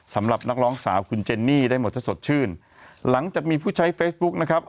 สำหรับนักร้องสาวคุณเจนนี่ได้หมดถ้าสดชื่นหลังจากมีผู้ใช้เฟซบุ๊คนะครับ